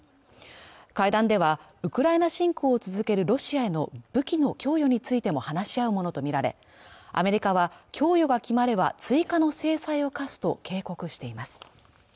会談ではウクライナ侵攻を続けるロシアへの武器の供与についても話し合うものとみられアメリカは供与が決まれば追加の制裁を科すと警告しています